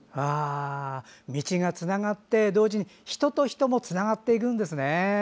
道がつながって同時に人と人もつながっているんですね。